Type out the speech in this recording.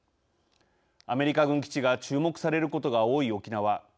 アメリカ軍基地が注目されることが多い沖縄。